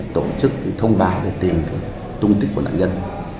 tổ chức thì thông báo để tìm cái tung tích của nạn nhân